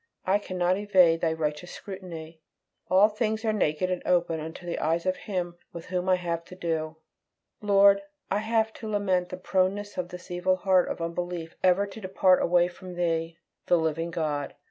I cannot evade Thy righteous scrutiny; all things are naked and open unto the eyes of Him with whom I have to do! Lord, I have to lament the proneness of this evil heart of unbelief ever to depart away from Thee, the living God.